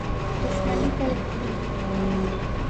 دښمني پیل کړي.